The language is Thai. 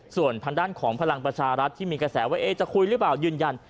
ส่วนทางด้านของพลังประชารัฐที่มีกระแสว่าจะคุยหรือเปล่ายืนยัน